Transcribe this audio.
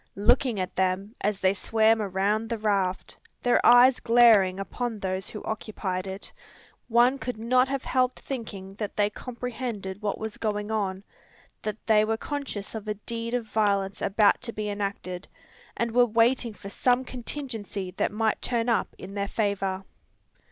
Looking at them, as they swam around the raft, their eyes glaring upon those who occupied it, one could not have helped thinking that they comprehended what was going on, that they were conscious of a deed of violence about to be enacted, and were waiting for some contingency that might turn up in their favour!